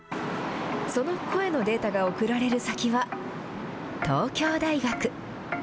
その声のデータが送られる先は、東京大学。